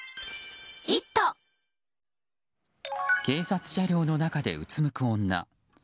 警察車両の中でうつむく女。